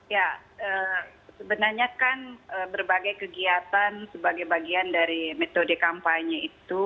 ya sebenarnya kan berbagai kegiatan sebagai bagian dari metode kampanye itu